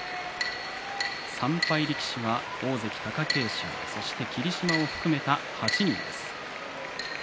３敗力士は大関貴景勝そして霧島を含めた８人です。